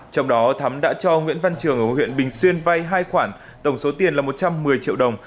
trong đó thắm đã cho nguyễn văn trường ở huyện bình xuyên vay hai khoản tổng số tiền là một trăm một mươi triệu đồng